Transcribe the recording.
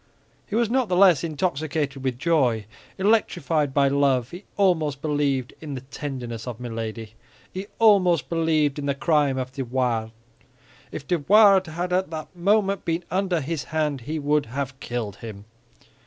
He was not the less intoxicated with joy, electrified by love. He almost believed in the tenderness of Milady; he almost believed in the crime of De Wardes. If De Wardes had at that moment been under his hand, he would have killed him.